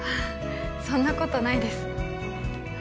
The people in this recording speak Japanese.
そんなことないです